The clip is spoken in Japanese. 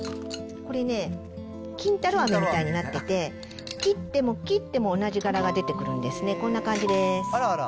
これね、金太郎あめみたいになってて、切っても切っても同じ柄が出てくるんですね、こんな感じです。